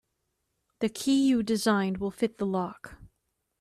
The key you designed will fit the lock.